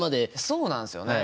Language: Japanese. そうなんすよね。